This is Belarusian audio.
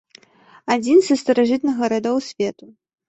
Адзін са старажытных гарадоў свету.